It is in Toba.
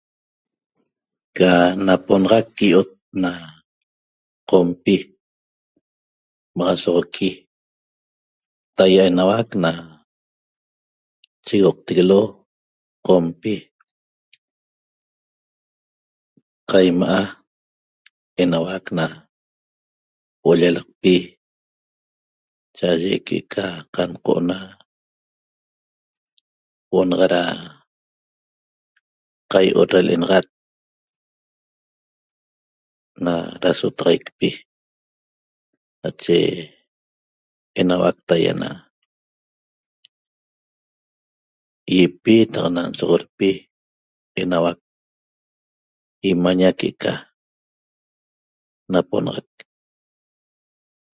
Ca naponaxaq iyot na qompi maxasogueqpi tahiaa' enaua ca chetaaguelo qompi caimaa enauac na huoo na llalaqpi chaaye que ca cancona huoo na da caihuoo na lenaxat na dasotaxaiqpi nache enahuaq tahiaa na iepi cataq nsoxoppi enaguaq imaña que eca naponaxaq